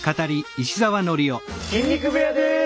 筋肉部屋です。